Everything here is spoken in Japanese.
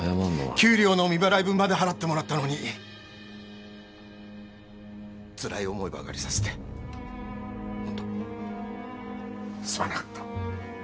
給料の未払い分まで払ってもらったのにつらい思いばかりさせてほんとすまなかった。